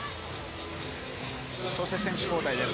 そして選手交代です。